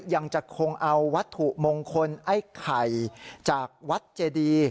ยังจะคงเอาวัตถุมงคลไอ้ไข่จากวัดเจดี